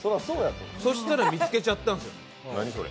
そしたら見つけちゃったんですよ。